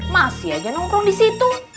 masih aja nongkrong disitu